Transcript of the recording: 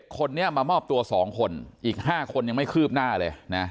คนนี้มามอบตัว๒คนอีก๕คนยังไม่คืบหน้าเลยนะ